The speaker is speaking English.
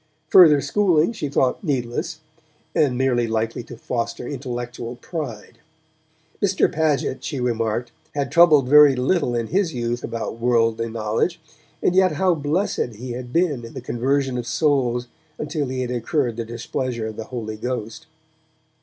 Further schooling she thought needless, and merely likely to foster intellectual pride. Mr. Paget, she remarked, had troubled very little in his youth about worldly knowledge, and yet how blessed he had been in the conversion of souls until he had incurred the displeasure of the Holy Ghost!